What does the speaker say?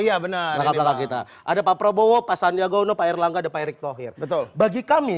iya benar benar kita ada pak prabowo pasannya gono pak erlangga depan riktokir betul bagi kami